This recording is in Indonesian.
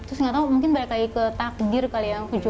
terus nggak tau mungkin balik lagi ke takdir kali ya